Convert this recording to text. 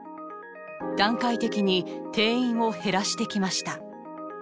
段階的に定員を減らしてきました。